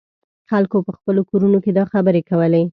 خلکو په خپلو کورونو کې دا خبرې کولې.